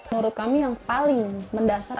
nah makanya boleh dipercaya